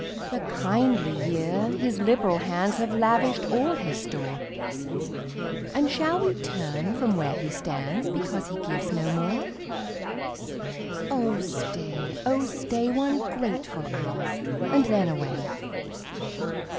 36 POEMS. The kindly year, his liberal hands Have lavished all his store. And shall we turn from where he stands, Because he gives no more? Oh stay, oh stay, One grateful hotir, and then away.